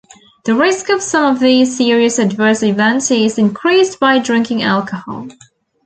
The risk of some of these serious adverse events is increased by drinking alcohol.